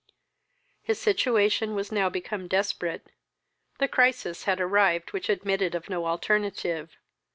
His situation was now become desperate; the crisis had arrived which admitted of no alternative.